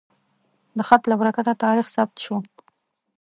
د خط له برکته تاریخ ثبت شو.